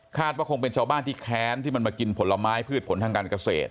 ว่าคงเป็นชาวบ้านที่แค้นที่มันมากินผลไม้พืชผลทางการเกษตร